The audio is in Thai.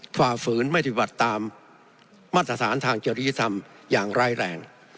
ฝ่าฝืนไม่ปฏิบัติตามมาตรฐานทางเจริยธรรมอย่างร้ายแรง